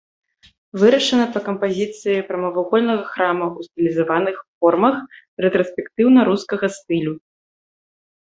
Вырашана па кампазіцыі прамавугольнага храма ў стылізаваных формах рэтраспектыўна-рускага стылю.